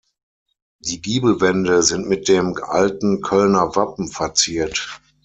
Die Giebelwände sind mit dem alten Kölner Wappen verziert.